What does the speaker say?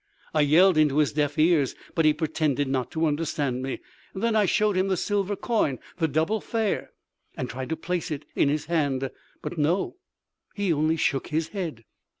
I yelled into his deaf ears, but he pretended not to understand me. Then I showed him the silver coin—the double fare—and tried to place it in his hand. But no, he only shook his head.